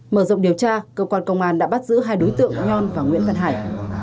mở rộng điều tra cơ quan công an đã bắt giữ hai đối tượng nhon và nguyễn văn hải